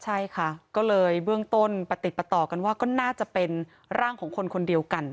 ใช่ค่ะก็เลยเบื้องต้นประติดประต่อกันว่าก็น่าจะเป็นร่างของคนคนเดียวกัน